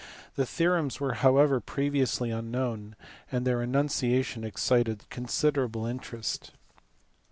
The theorems were however pre viously unknown, and their enunciation excited considerable interest.